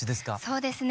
そうですね